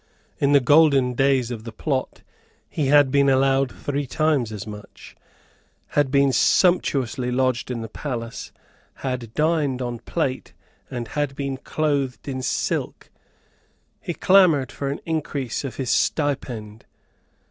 In the golden days of the Plot he had been allowed three times as much, had been sumptuously lodged in the palace, had dined on plate and had been clothed in silk. He clamoured for an increase of his stipend.